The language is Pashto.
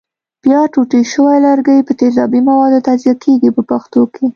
بیا ټوټې شوي لرګي په تیزابي موادو تجزیه کېږي په پښتو کې.